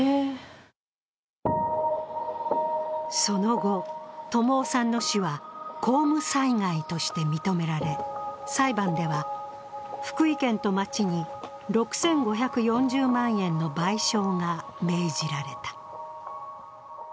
その後、友生さんの死は公務災害として認められ裁判では、福井県と町に６５４０万円の賠償が命じられた。